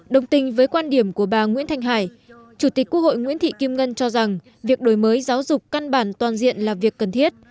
đồng tình với quan điểm của bà nguyễn thanh hải chủ tịch quốc hội nguyễn thị kim ngân cho rằng việc đổi mới giáo dục căn bản toàn diện là việc cần thiết